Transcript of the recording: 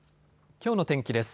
きょうの天気です。